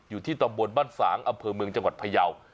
อยู่ที่ตำบลบ้านฝางอำเภอเมืองจังหวัดพยาว